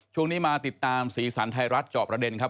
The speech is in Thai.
ช่วงนี้มาติดตามสีสันไทยรัฐจอบประเด็นครับ